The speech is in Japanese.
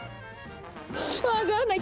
わかんない。